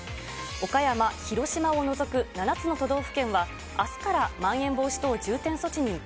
岡山、広島を除く７つの都道府県は、あすからまん延防止等重点措置に移行。